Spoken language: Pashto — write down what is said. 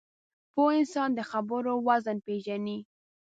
پوه انسان د خبرو وزن پېژني